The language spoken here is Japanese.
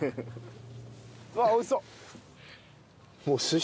うわっ美味しそう！